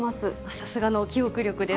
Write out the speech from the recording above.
さすがの記憶力です。